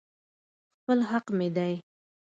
خپل حق مې دى.